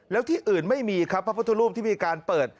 แล้วที่อื่นไม่มีครับพระพุทธรูปที่มีการเปิด